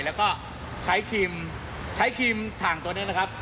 แล้วก็ใช้ครีมทางตัวนี้นะครับ